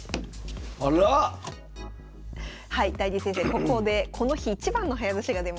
ここでこの日一番の早指しが出ました。